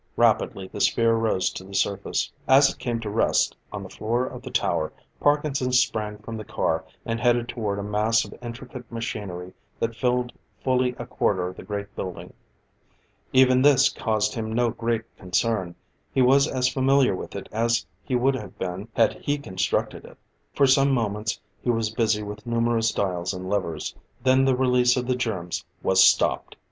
Rapidly the sphere rose to the surface. As it came to rest on the floor of the tower, Parkinson sprang from the car, and headed toward a mass of intricate machinery that filled fully a quarter of the great building. Even this caused him no great concern; he was as familiar with it as he would have been had he constructed it. For some moments he was busy with numerous dials and levers; then the release of the germs was stopped.